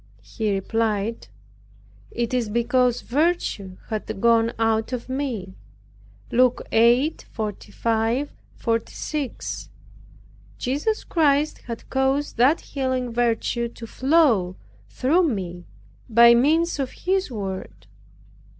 He replied, "It is because virtue hath gone out of me" (Luke 8:45, 46). Jesus Christ had caused that healing virtue to flow, through me, by means of His Word.